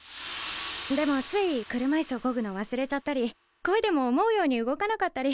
でもつい車いすをこぐの忘れちゃったりこいでも思うように動かなかったり。